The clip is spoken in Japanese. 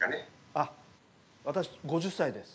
あっ私５０歳です。